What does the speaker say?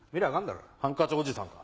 ハンカチおじさんか？